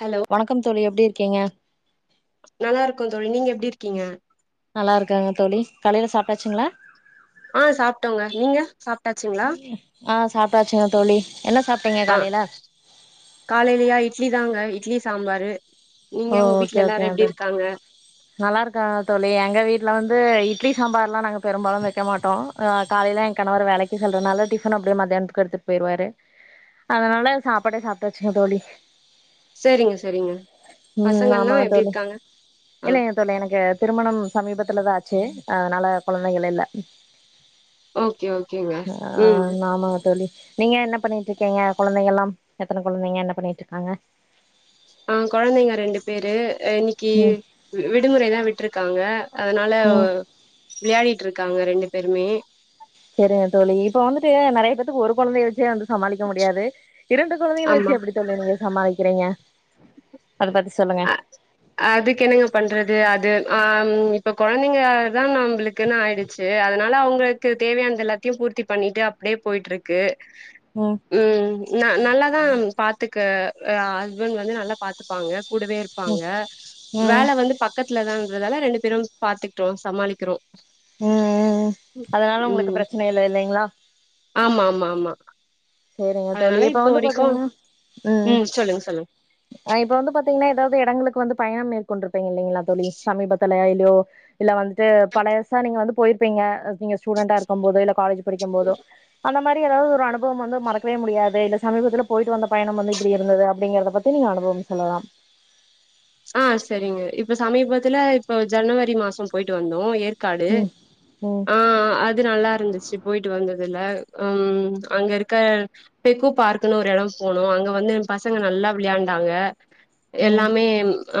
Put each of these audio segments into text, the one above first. Hello வணக்கம் தோழி எப்டி இருக் க்கேங்க நல்லா இருக்கோ தோழி நீங்க எப்டி இருக்கீங்க நல்லா இருக்கேங்கு தோழி கலையில சாப்பிட்டாச்சுங்குளா ஆஹ் சாப்பிட்டோங்க நீங்க சாப்பிட்டாச்சிங்குளா சாப்பிடாச்சுங் தோழி என்ன சாப்ட்டீங்க ஆஹ் காலையில காலையிலயா இட்லி தாங்க இட்லி சாம்பாரு நீங்க ஓ உங்க ஓகே வீட்ல ஓகே எல்லாரு எப்டி அதர் இருக்காங்க நல்லா இருக்கா தோழி எங்க வீட்டு்ல வந் ந்து இட்லி சாம்பாருல்லா நாங்க பெரும்பாலும் வெக்க மாட்டோ காலையிலா என் கணவர் வேலைக்கி செல்றதுனால டிபன் அப்டி மத்தியானத்துக்கு எடுத்துட்டு போயிருவாரு அதனால சாப்பாடே சாப்பாட்டுச்சுங்க தோழி சேரிங்க சேரிங்க ம் ஆமா தோழி இல்லைங்க தோழி எனக்கு திருமணம் சமீபத்துல தா ஆச்சே அஹ் அதனால கொழந்தைகள் இல்ல ஓகே ஓகேங்க ஆ உம் ஆமாங்க தோழி நீங்க என்ன பண்ணிட்டு இருக்கீங்க கொழந்திங்கள எல்லாம் எத்துனை கொழந்தைங்க என்ன பண்ணிட்டு இருக்காங்க ஆஹ் கொழந்தைங்க ரெண்டு பேரு ஏ இன்னிக்கு ம் விடுமுறை தா விட்ருக்காங்க அதுனால ம் விளையாடிட்டு இருக் க்காங்க ரெண்டு பேருமே சேரிங்க தோழி இப்ப வந்துட்டு நெறைய பேத்துக்கு ஒரு கொழந்தைய வச்சே வந்து சமாளிக்க முடியாது இரண்டு கொழந்திகள் ஆமா வெச்சு எப்டி தோழி நீங்க சமாளிக்கிறீங்க [unintelligible] சொல்லுங்க அ அதுக்கு என்னுங்க பண்றது அது ஆம் இப்ப கொழ்ந்திங்க தான் நம்புளுக்குன்னு ஆயிடுச்சு அதுனால அவங்களுக்கு தேவையான எல்லாத்தையு பூர்த்தி பண்ணிட்டு அப்டியே போயிட்ருக்கு ம் உம் ந நல்லாதான் பாத்துட் க்கு ஆஹ் ஹஸ்பண்ட் வந்து நல்லா பாத்துப்பாங்க கூடவே இருப்பாங்க ம் ம் ம் வேல வந்து பக்கத்துலதாங் அதுலால ரெண்டு பேரும் பாத்துக்டோம் சமாளிக்கிறோ உம் உம் அதனால உங்குளுக்கு ம் பிரச்சினை இல்ல இல்லைங்களா ஆமா ஆமா ஆமா சேரிங்க தோழி அதனால இப்ப இப்போ வந்து வரைக்கு பாத்தீங்கனா உம் ம் சொல்லுங்க சொல்லுங்க அனா இப்ப வந்து பாத்தீங்குனா ஏதாவது இடங்களுக் வந்து பயம் மேற்கொண்டிருப்பீங்க இல்லிங்களா தோழி சமீபத்லயா இல்லயோ இல்ல வந்துட்டு பழையசா நீங்க வந்துப் போயிருப்பீங்க நீங்க ஸ்டூடண்டா இருக்கும் போது இல்ல காலேஜ் படிக்கும் போதோ ஆனா இந்த மாரி ஏதாவது ஒரு அனுபவம் வந்தும் மறக்கவே முடியாது இல்ல சமீபத்துல போயிட்டு வந்த பயணம் வந்து இப்படி இருந்தது அப்படிங்குறத பத்தி நீங்க அனுபவம் சொல்லலாம் ஆ சேரிங்க இப்ப சமீபத் சமீபத்துல இப்ப ஜனவரி மாசம் போயிட்டு வந்தோம் ஏப் ஏற்காடு ம் ம் ஆ அது நல்லா இருந்துச்சு போயிட்டு வந்ததுல உம் அங்க இருக்க பெகு பார்க்னு ஒரு இடம் போனோம் அங்க வந்து பசங்க நல்லா விளையாண்டாங்க ம் எல்லாமே ஆ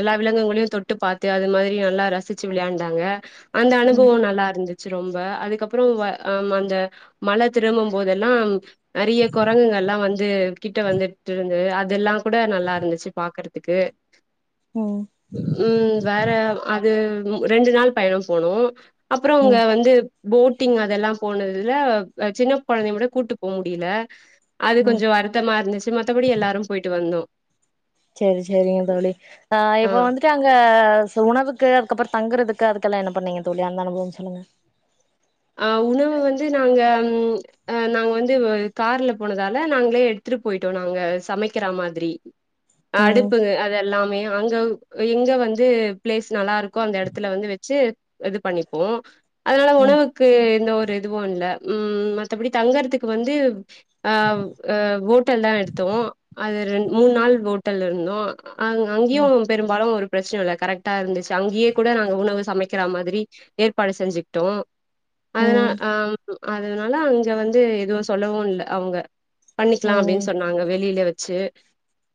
எல்லா விலங்குங்களையும் தொட்டு பார்த்து அது மாதிரி நல்லா ரசிச்சி விளையாண்டாங்க அந்த ம் அனுபவம் நல்லா இருந்து சு ரொம்ப அதுக்கப்புறம் ஆ அந்த மல திரும்பும் போதெல்லாம் நிறைய குரங்குங்கள்லாம் வந்து கிட்ட வந்துட்டு இருந்து அதெல்லாம் கூட நல்லா இருந்துச்சு பார்க்கறதுக்கு ம் உம் வேற அது ரெண்டு நாள் பயணம் போனோம் அப்பறம் அவங்க ம் வந்து போட் போட்டிங் அதெல்லாம் போனதுல சின்ன குழந்தைய விட கூடிட்டு போ முடியல அது ம் கொஞ்சம் வருத்தமா இருந்துச்சு மத்தபடி எல்லாரும் போயிட்டு வந்தோம் சேரி சேரி சேரிங்க தோழி ஆஹ ஆ இப்போ வந்துட்டு அங்க உணவுக்கு அதுக்கப்புறம் தங்குறதுக்கு அதுக்கெல்லாம என்ன பண்ணீங்க தோழி அந்த அனுபவம் சொல்லுங்க அஹ் உணவு வந்து நாங்க அஹ் நாங்க வந்து கார்ல போனதால நாங்களே எடுத்துட்டு போயிட்டோம் நாங்க சமைக்கிற மாதிரி ம் அடுப்புங்க அது எல்லாமே அங்க எங்க வந்து பிளேஸ் நல்லா இருக்கு கோ அந்த இடத்துல வந்து வச்சு இது பண்ணிப்போம் அதனால ம் உணவு எந்த ஒரு இதுவும் இல்ல உம் மத்தபடி தங்கறதுக்கு வந்து ஆஹ் ஓட்டல் தான் எடுத்தோம் அது ரெண்ட் மூண் நாள் ஓட்டல்ல இருந்தோம் அஹ ம் அங்கேயும் பெரும்பாலும் ஒரு பிரச்சனை இல்ல கரெக்டா இருந்துச்சு அங்கேயே கூட நாங்க உணவு சமைக்கிற மாதிரி ஏற்பாடு செஞ்சுக்கிட்டோம் அதனா ம் அஹ் அதனால அங்க வந்து எதுவும் சொல்லவும் இல்ல அவங்க பண்ணிக்லாம் அப்டின்னு ம் சொன்னாங்க வெளியிலே வச்ச செ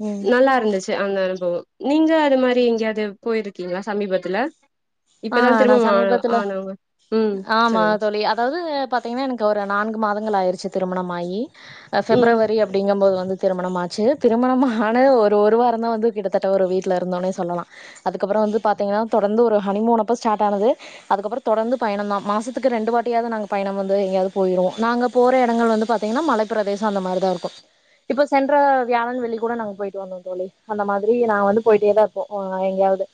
ம் நல்லா இருந்துச்சு அந்த அனுபவம் நீங்க அது மாரி எங்கேயாது போயிருக்கீங்களா சமீபத்துல ஆ இப்பதான் நான் திருமணம் ஆ சமீபத்துல ஆனவங்க ம் ஆமா சொல்லுங்க தோழி அதாவது பாத்தீங்கனா எனக்கு ஒரு நான்கு மாதங்கள் ஆயிருச்சு தோழி திருமணமாயி ம் ஃபெப்ரவரி அப்படிங்கும்போது வந்து திருமணம் ஆச்சு திருமணம் ஆன ஒரு ஒரு வாரம் தான் வந்து கிட்டத்தட்ட ஒரு வீட்ல இருந்தோனே சொல்லலாம் அதுக்கப்புறம் வந்து பாத்தீங்கனா தொடர்ந்து ஒரு ஹனிமூணு அப்போ ஸ்டார்ட் ஆனது அதுக்கப்பறம் தொடர்ந்து பயணம் தான் மாசத்துக்கு ரெண்டு வாட்டியாவது நாங்க பயணம் வந்து எங்கேயாவது போயிருவோம் நாங்க போற இடங்கள் வந்து பாத்தீங்கனா மலை பிரதேசம் அந்த மாரிதான் இருக்கும் இப்ப சென்ற வியாழன் வெள்ளி கூட நாங்க போயிட்டு வந்தோம் தோழி அந்த மாதிரி நாங்க வந்து போயிட்டேதான் இருப்போம் எங்கயாவது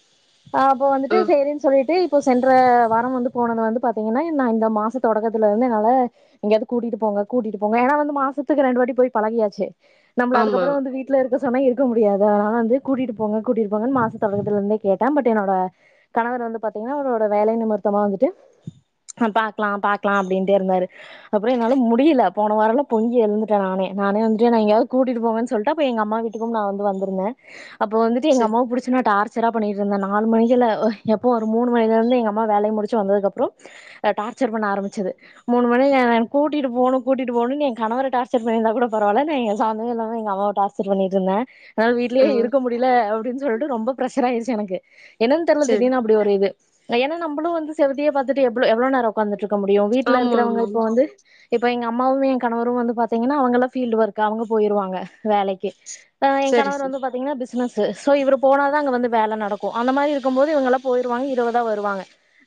ஆஹ் அப்ப ஆ வந்துட்டு சொல்லிட்டு இப்போ சென்ற வாரம் வந்து போனது வந்து பாத்தீங்கனா நான் இந்த மாச தொடக்கத்துல இருந்து என்னால எங்கோவது கூட்டிட்டு போங்க கூட்டிட்டு போங்க ஏன்னா வந்து மாசத்துக்கு ரெண்டு வாட்டி போய் பழகியாச்சு நம்பள ஆமா அதுக்கப்பறம் வந்து வீட்டுல இருக்க சொன்ன இருக்க முடியாது அதனால வந்து கூட்டிட்டு போங்க கூட்டிட்டு போங்கன்னு மாசத்த தொடக்கத்துல இருந்தே கேட்டேன் பட் என்னோட கணவர் வந்து பாத்தீங்கனா அவரோட வேலை நிமிர்த்தமா வந்துட்டு பாக்லா பாக்லா அப்டின்டே இருந்தாரு அப்றம் என்னால முடியல போன வாரம்ல பொங்கி எழுந்துட்டேன் நானே நானே வந்துட்டு நான் எங்கயாவது கூட்டிட்டு போங்கன்னு சொல்லிட்டு அப்ப எங்க அம்மா வீட்டுக்கும் நான் வந்து வந்திருந்தேன் அப்போ வந்துட்டு எங்க செரி அம்மாவ‌ புடிச்சு நா டார்ச்சரா பண்ணிட்டு இந்த நாலு மணிக்குள்ள எப்போ ஒரு மூணு மணில இருந்து எங்க அம்மா வேலைைய முடிச்சு வந்ததுக் அப்புறம் டார்சர் பண்ண ஆரம்பிச்சது மூணு மணி கூட்டிட்டு போகும் கூட்டிகிட்டு போனும் என் கணவரை டார்ச்சர் பண்ணிருந்தா கூட பரவாயில்ல நான் எங்க சம்பந்தமே இல்லாம எங்க அம்மாவை டார்ச்சர் பண்ணிட்டு இருந்தேன் அதனால ஆ வீட்லேயே இருக்க முடியல அப்படின்னு சொல்லிட்டு ரொம்ப ப்ஷர் ஆயிச்சு எனக்கு என்னனு தெரில செரி திடிர்னு இப்டி ஒரு இது ஏன்னா நம்மளும் வந்து செவுதையே பார்த்துட்டு எவ்வளோ நேரம் உக்காந்துட்டு இருக்கு இருக்க முடியும் வீட்டுல ஆமா இருக்கிறவங்க ஆமா இப்ப வந்து இப்போ எங்க அம்மாவும் என் கணவரும் வந்து பார்த்தீங்கன்னா அவங்கலாம் ஃபீல்டு ஒர்க் அவங்களு போயிருவாங்க வேலைக்கு என் சரி கணவர் சரி வந்து பாத்தீங்கன்னா பிசினஸ் சோ இவரு போனாதா அங்க வந்து வேலை நடக்கும் அந்த மாதிரி இருக்கும்போது இவங்கெல்லா போயிருவாங்க இருபதா வருவாங்க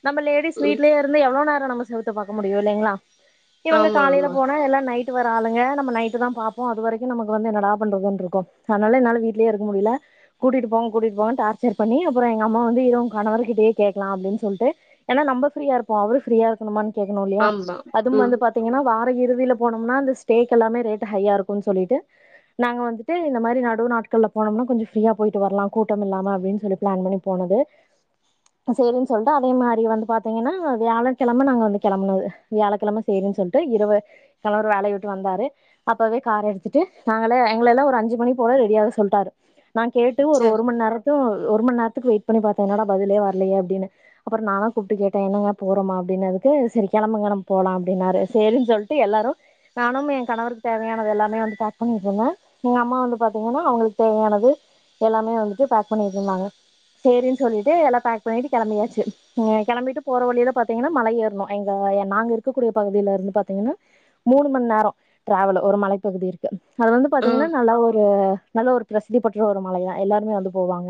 நம்மலேடிஸ் ம் வீட்லே இருந்து எவ்ளோ நேரம் நம்ம செவுத்த பாக்க முடியும் இல்லைங்களா இவங்க ஆமா காலையில ஆமா போனா எல்லாம் நைட் நைட்டுவர ஆளுங்க நம் நைட் தான் பார்போம் அது வரைக்கும் நமக்கு வந்து நன்னடா பண்றதுனு இருக்கு அதனால என்னால வீட்லயே இருக்க முடியல கூட்டிட்டு போங்க கூட்டிட்டு போங்கனு டார்சர் பண்ணி அப்புறம் எங்க அம்மா வந்து கணவர்கிட்டயே கேக்கலா அப்டின்னு சொல்லிட்டு ஏன்னா நம்ம ஃபிரியா இருப்போ அவரு ஃப்ரீயா இருக்கனுமா கேட்கணும் இல்லையா ஆமா அதுவும் ம் வந்து பாத்தீங்கன்னா வார நம்ப இறுதியில போனோம்னா இந்த ஸ்டேக்கு எல்லாமே ரேட் அதிகமா இருக்கும்னு சொல்லிட்டு நாங்க வந்துட்டு இந்த மாதிரி நடு நாட்கள்ல போனோம்னா கொஞ்சம் ஃப்ரீயா போயிட்டு வரலாம் கூட்டம் இல்லாம அப்படின்னு சொல்லி பிளான் பண்ணி போனது செரின்னு சொல்லிட்டு அதே மாதிரி வந்து பார்த்தீங்கன்னா வியாழக்கிழமை நாங்க வந்து கிளம்பனது வியாழக்கிழம சரின்னு சொல்லிட்டு இரவு வேலைய விட்டுட்டு வந்தாரு அப்பவே கார் எடுத்துட்டு நாங்கள எங்க எல்லாம் ஒரு அஞ்சு மணி போல ரெடியாக சொல்லிட்டாரு நான் கேட்டு ஒரு சரி ஒரு மணி நேரத்து ஒரு மணி நேர வெயிட் பண்ணி என்னட பதிலே வரலையே அப்டினு அப்பறம் நான கூப்பிட்டு கேட்டேன் என்னங்க போறோமா அப்படினதுக்கு சேரி கிளம்புங்க நம்ம போலாம் அப்பனாரு சேரின்னு சொல்லிட்டு எல்லாரும் நானும் என் கணவருக்கு தேவையானது எல்லாமே பேக் பண்ணட்டு இருந்தேன் எங்க அம்மா வந்து பாங்கன்னா அவங்களுக்கு தேவையானது எல்லாமே வந்து பேக் பண்ணட்டு இருந்தாங்க சேரிங்க சொல்லிட்டு எல்லாம் பேக் பண்ணிவிட்டு கிளம்பியாச்சு கிளம்பிட்டு போகிற வழியில பார்த்தீங்கன்னா மலை ஏறணும் எங்கள் நாங்கள் இருக்கக்கூடிய பகுதியில இருந்து பார்த்தீங்கன்னா மூணு மணி நேரம் ட்ராவல் ஒரு மலைப்பகுதி இருக்கு அது வந்து ஆ பாத்தீங்கன்னா நல்லா ஒரு நல்ல ஒரு பிரசித்தி பெற்ற ஒரு மலையா எல்லாருமே வந்து போவாங்க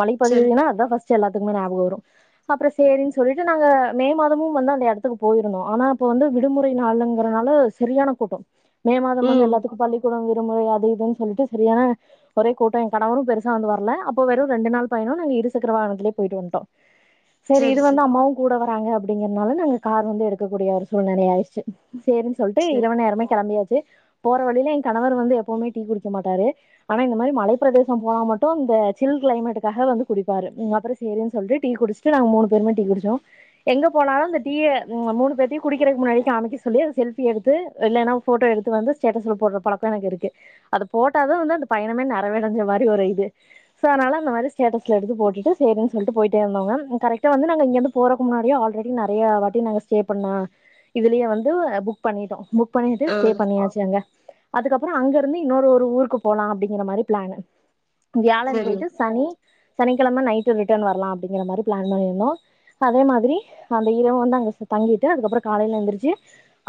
மலை சரி பகுதினா அதான் எல்லாத்துக்குமே ஞாபகம் வரும் அப்பறம் சேரின்னு சொல்லிட்டு நாங்க மே மாதமும் வந்து அந்த இடத்துக்கு போயிருந்தோம் ஆனா இப்ப வந்து விடுமுறை நாளுங்கறனால சரியான கூட்டம் மே மாதம் வந்து ம் எல்லாத்துக்கும் பள்ளிக்கூடம் முறை அது சொல்லிட்டு சரியான ஒரே கூட்டம் என் கணவரும் பெருசா வந்து வரல அப்ப வெறும் ரெண்டு நாள் பயணம் இருச் க்கரவாகனத்திலே போயட்டு வன்டோம் சேரி சரி இது வந்து சரி அம்மாவும் கூட கூடவறாங்க அப்படிங்கறனால நாங்க கார் வந்து எடுக்கக்கூடிய ஒரு சூழ்நிலை ஆயிடுச்சு சேரின்னு சொல்லிட்டு சரி இரவ நேரமே கிளம்பியாச்சு போற வழியில என் கணவர் வந்து எப்பவுமே டீ குடிக்க மாட்டாரு ஆனா இந்த மாரி மலைப்ப பிரதேசம் போனா மட்டும் இந்த சில் கிளைமேட்டுக்காக வந்து குடி பாரு அப்பறம் சேரிணு சொல்லிட்டு டீ குடிச்சட்டு நா மூணு பேருமே டீ குடிச்சோம் எங்க போனாலும் மூணு பேரும் முன்னாடியே காமிக்க சொல்லி செல்பி எடுத்து போட்டோ எடுந்து போடுற பழப்பம் எனக்கு இருக்கு அத போட்ட தான் வந்து அந்த பயணமே நிறவடைஞ்ச மாரி ஒரு இது சோ அந்த மாரி ஸ்டேட்டஸ் எடுத்து போட்டுட்டு சேரின்னு சொல்லிட்டு போயிட்டே இருந்தோங்க கரெக்டா வந்து நா இங்கந்து போறக்கு முன்னாடிய ஆல்ரெடி நிறைய வாட்டி நா ஸ்டே பண்ண இதுலே வந்து புக் பண்ணிட்டோம் பண்ணிட்டு ஆ ஸ்டே பண்ணியாச்சு அங்க அதுக்கப்பறம் அப்பறம் அங்க இருந்து இன்னொரு ஒரு ஊருக்கு போலாம் அப்படிங்கிற மாரி பிளான்னு வியாழன் சரிங்க போயிட்டு சனி சனிக்கிழமை நைட் ரிட்டர்ன் வரலாம் அப்படிங்கிற மாதிரி பிளான் பண்ணியிருந்தோம் அதே மாதிரி அந்த இரவு வந்து அங்க தங்கிட்டு அதுக்கப்பறம் காலையில எழுந்திரச்சு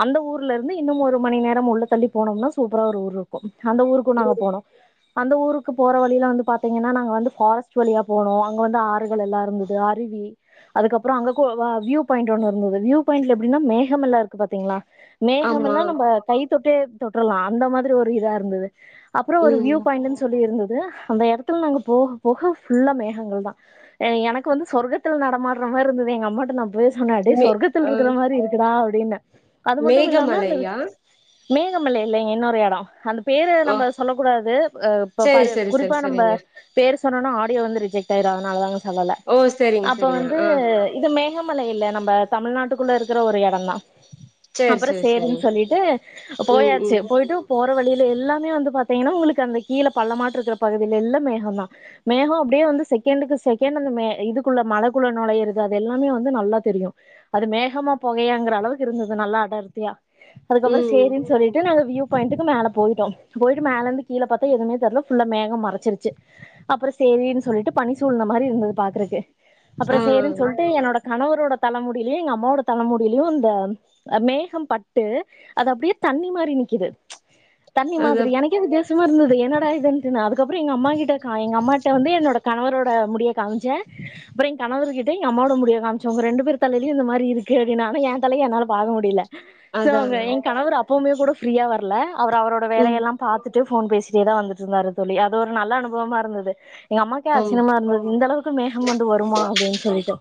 அந்த ஊர்ல இருந்து இன்னும் ஒரு மணி நேரம் உள்ள தள்ளி போனோம்னா சூப்பரா ஒரு ஊர் இருக்கும் அந்த ஊருக்கும் நாங்க ம் போனோம் அந்த ஊருக்கு போற வழியில வந்து பாத்தீங்கன்னா நாங்க வந்து பாரெஸ்ட் ஆகுவலியா போனோம் அங்க வந்து ஆறுகள் எல்லாம் இருந்தது அருவி அதுக்கப்பறம் அங்க வியூ பாயிண்ட் ஒன்றும் இருந்தது வியூ பாயிண்ட்ல எப்படின்னா மேகம் எல்லாம் இருக்கு பாத்தீங்களா ஆமா மேகமல்லாம் நம்ம கை தொட்டே தொ லாம் அந்த மாதிரி ஒரு இதா இருந்தது அப்பறம் ஒரு ம் வியூ பாயிண்ட்டு சொல்லி இருந்தது அந்த இடத்துல நாங்க போக போக பியுள்ள மேகங்கள் தான் எனக்கு வந்து சொர்க்கத்தில் நடமாடுற மாரி இருந்தது எங்க அம்மா கிட்ட நான் பேச முன்னாடே மே சொர்கத்தில் ஆ இருக்க மாரி இருக்குடா டினா மேகமலையா மேகமலை இல்லலைங்க இன்னொரு இடம் அந்த பேரு ஓ நம்ப சொல்லக்கூடாது இப்ப சரி சரி சரி குறிப்பா நம்ப சரிங்க பேர் ஆ [unintelligible] வந்து ரிஜெக்ட் ஆயிரும் அதனால தாங்க சொல்லல ஓ சரிங்க அப்ப சரிங்க வந்து ஆ இது மேகமலை இல்ல நம்ம தமிழ்நாட்டுக்கு குள்ள இருக்கிற ஒரு எடந்தா. சரி அப்புறோ சரி சேருன்னு சரிங்க சொல்லிட்டு ம் ம் போயாச்சு போயிட்டு. போற வழியில எல்லாமே வந்து பாத்தீங்கன்னா உங்களுக்கு அந்த கீழ பள்ளமாட்ட இருக்கிற பகுதியில எல்லா மேகந்தா. மேகோஅப்படியே வந்து செகண்டுக்கு செகண்டு அந்த மே இதுக்குள்ள மழக்குள்ள நுழையறது அது எல்லாமே வந்து நல்லா தெரியு. அது மேகமா புகையாங்கிற அளவுக்கு இருந்தது நல்லா அடர்த்தியா. அதுக்கப்புறோ ம் சேரின்னு சொல்லிட்டு நாங்க. வியூ பாயிண்டுக்கு மேல போயிட்டோ. போயிட்டு மேல இருந்து கீழ பார்க்த்தா எதுமே தெரில ஃபுல்லா மேகோ மறச்சுருச்சு. அப்புறோ சேரின்னு சொல்லிட்டு பனி சூழ்ந்த மாதிரி இருந்தது பாக்குறதுக்கு. ஆ அப்புறோ சேரின்னு சொல்லிட்டு என்னோட. கணவரோட தலமுடியிலயு எங்க அம்மாவோட தலைமுடியிலயு இந்த மேகம் பட்டு அது அப்படியே தண்ணி மாதிரி நிக்கிது ம்ச். தண்ணி அதா மாதிரி எனக்கே வித்தியசமா இருந்தது. து என்னடா இதுன்ட்டு அதுக்கப்புறோ எங்க அம்மா கிட்ட. எங்க அம்மாகிட்ட வந்து என்னோட கணவரோட முடிய காம்ச்ச. அப்புறோ எ கணவர்கிட்ட எங்க அம்மாவோட முடிய காமிச்ச உங்கள்னன ரெண்டு பேர் தலையுலையு இந்த மாரி இருக்கு அப்டினாலு என் தலைய என்னால பாக்க முடியல. சோ அதா எங் கணவரு அப். எப்பவுமே கூட ஃப்ரியா வரல. அவர் அவரோட ம் வேலையெல்லாம் பாத்துட்டு. டு போன் பேசிட்டேதா வந்துட்டுயிருந்தாரு தோழி அது ஒரு நல்ல அனு. கோமாருந்தது. எங்க அம்மாக்கே ஆமா அச்சிரியமா இருந்தது இந்த அளவுக்கு மேகம் வந்து வருமா அப்படின்னு. சேரிக்கா.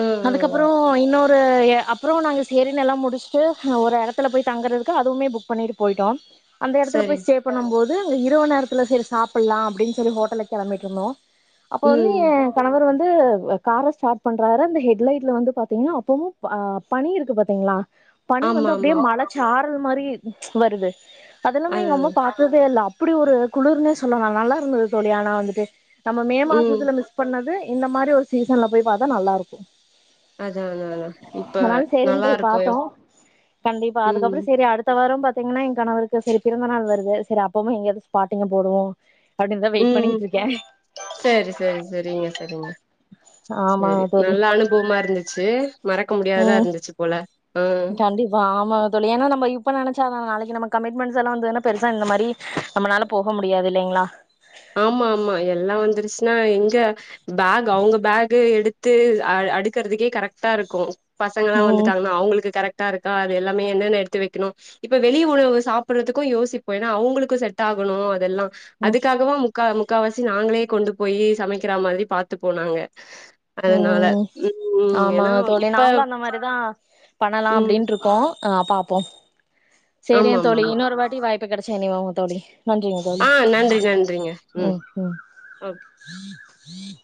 ஆ அதுக்கப்புறோ இன்னொரு. டு அப்புறோ அப்புறோ நாங்க சேரின் எல்லா முடுச்சுட்டு ஒரு இடத்துல போய் தங்குறதுக்கு அதுவுமே புக் பண்ணிட்டு போயிட்டோ. அந்த இடத்துல போய் சரிங் ஸ்டே பண்ணும் போது. இரவு நேரத்துல சேரி சாப்புடலா. அப்டின்னு சொல்லி ஹோட்டல்க்கு கெளம்பிட்டுயிருந்தோ. அப்ப வந்து ம் என் கணவர் வந். து கார ஸ்டார்ட் பண்றாரு அந்த ஹெட்லைட்ல வந்து பாத்தீங்கன்னா அப்பவும் அ பனி இருக்கு பாத்தீங்களா. பனி ஆமா வந்து அப்படியே ஆமா மழச்சாரல். மாரியே ம்ச் வருது. அதெல்லாமே எங்க அதுதாங்க அம்மா பாத்ததே இல்ல. இப்படி ஒரு குளிர்னே சொல்லஙல்லா நல்லா. ருந்து தோழி ஆனா வந்துட்டு. நம்ம மே ம் மாசத்துல மிஸ் பண்ணது. இந்த மாரி ஒரு சீசன்ல போய் பாத்தா நல்லா இருக்கு. அதா அதாங்க இப்ப அதனால சேரினு போய் நல்லாருக்கு பாத்தோ கண்டிப்பா ம் அதுக்கப்புறோ சேரி அடுத்த வாரம் பாத். பாத்தீங்கன்னா என் கணவருக்கு செரி பிறந்த நாள் வருது சேரி அப்பமே எங்காவது ஸ்பாட்டிங்கா போவோ. உம் சேரி சேரி செரிங்க செரிங்க ஆமா சேரி தோழி நல்லா அனுபுவமா இருந்துச்சு க்கு முடியாதா ம் இருந்துச்சு போல ஆ கண்டிப்பா ஆமாங் தொழி ஏன்னா நம்ம இப்ப நனைச் ச்சாலு நாளைக்கு நம கமி்மெண்டஸ் எல்லா வந்துன்ன பெரிஷா இந்து மாரி நம்மனால போக முடியாது இல்லீங்ளா ஆமா ஆமா எல்லா வந்துருச்சுன்னா எங்க பேக் அவுங்க பேகு எடுத் த்து அ அடுக்குறதுக்கே கரெக்ட்டாருக்கு பசங்களல்லா ம் வந்துட்டாங்குன்னா அவுங்களுக் கரெக்ட் ட்டா இருக்கா அது எல்லாமே என்னென்னு எடுத்து வெக்குணு இப்ப வெளி உணவு சாப்புறதுக்கும் யோசிப்போ ஏன்னா அவுங்களுக்கு செட் ஆகுணு அதெல்லா ம் அதுக் முக்கா முக்காவாசி நாங்குளே கொண்டு போய் சமைக்கிற மாரி பாாரத்துப்போ நாங்க அதுனால ம் ஹிம் ஆமா ஏனா தோழி இப்ப நாங்களு அந்த மாரிதா பண்ணலா ம் அப்டின் இருக்கோ ஆஹ் பாப்போம் ஆமா சேரிங்க ஆமா தோழி ஆமா இன்னொரு வாட்டி வாய்ப் இப்ப கடைச்சா நீ வாங்கு தோழி நன்றிங்க தோழி ஆ நன்றி நன்றிங்க ம் ம் ஓகே ம்